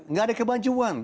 nggak ada kemajuan